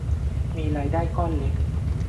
มีรายได้ก้อนเล็ก